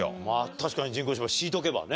確かに人工芝敷いとけばね。